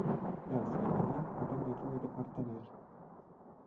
De asemenea, avem nevoie de parteneri.